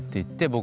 って。